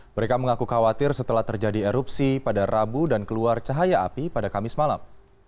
mereka mengaku khawatir setelah terjadi erupsi pada rabu dan keluar cahaya api pada kamis malam